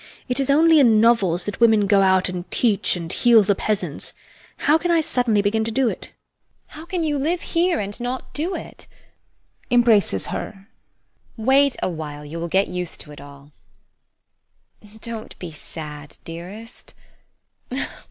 It is only in novels that women go out and teach and heal the peasants; how can I suddenly begin to do it? SONIA. How can you live here and not do it? Wait awhile, you will get used to it all. [Embraces her] Don't be sad, dearest.